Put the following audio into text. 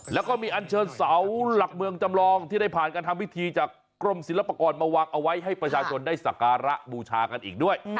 แล้วก็มีอันเชิญเสาหลักเมืองจำลองที่ได้ผ่านการทำพิธีจากกรมศิลปากรมาวางเอาไว้ให้ประชาชนได้สักการะบูชากันอีกด้วย